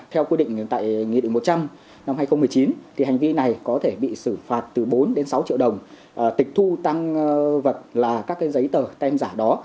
theo quy định tại nghị định một trăm linh năm hai nghìn một mươi chín hành vi này có thể bị xử phạt từ bốn đến sáu triệu đồng tịch thu tăng vật là các giấy tờ tem giả đó